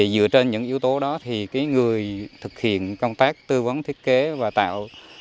dựa trên những yếu tố đó thì người thực hiện công tác tư vấn thiết kế và tạo